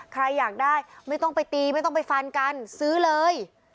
ใครอยากได้ไม่ต้องไปตีไม่ต้องไปฟันกันซื้อเลย